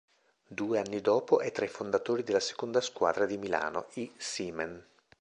Due anni dopo è tra i fondatori della seconda squadra di Milano, i Seamen.